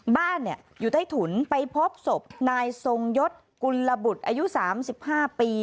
บ้านอยู่ใต้ถุนไปพบศพนายทรงยศกุลบุตรอายุ๓๕ปี